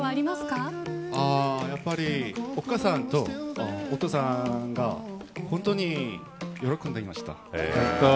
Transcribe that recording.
やっぱりお母さんとお父さんが本当に喜んでいました。